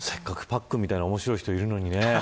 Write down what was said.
パックンみたいな面白い人、いるのにね。